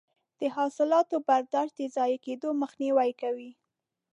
د حاصلاتو برداشت د ضایع کیدو مخنیوی کوي.